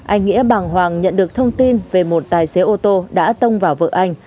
anh nghĩa bàng hoàng nhận được thông tin về một tài xế ô tô đã tông vào vợ anh